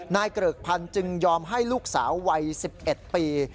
เกริกพันธ์จึงยอมให้ลูกสาววัย๑๑ปี